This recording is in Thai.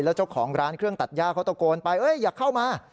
แล้วเจ้าของร้านเครื่องตัดย่าเขาตะโกนไปอย่าเข้ามา